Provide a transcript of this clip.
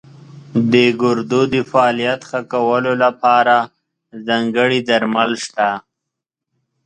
د ګردو د فعالیت ښه کولو لپاره ځانګړي درمل شته.